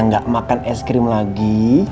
rena gak makan es krim lagi